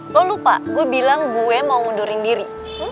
lo lupa gue bilang gue mau mundurin diri